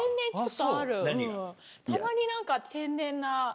たまに何か天然な。